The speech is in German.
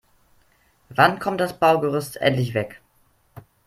Wann kommt das Baugerüst endlich weg?